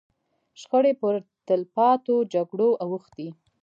شخړې پر تلپاتو جګړو اوښتې.